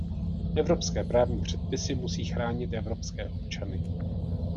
Evropské právní předpisy musí chránit evropské občany.